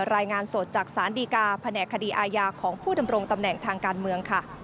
รายงานสดจากสารดีกาแผนกคดีอาญาของผู้ดำรงตำแหน่งทางการเมืองค่ะ